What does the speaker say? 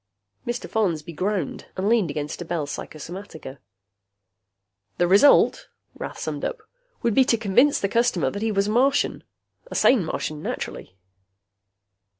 Mr. Follansby groaned and leaned against a Bell Psychosomatica. "The result," Rath summed up, "would be to convince the customer that he was a Martian. A sane Martian, naturally."